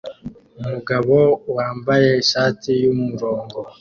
Umugabo wambaye ishati yumurongo